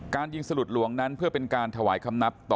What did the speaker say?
ยิงสลุดหลวงนั้นเพื่อเป็นการถวายคำนับต่อ